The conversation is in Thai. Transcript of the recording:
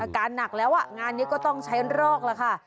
การหนักแล้วงานนี้ก็ต้องใช้รอกแล้วค่ะ